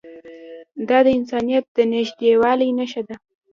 دا د انسانیت د نږدېوالي نښه ده.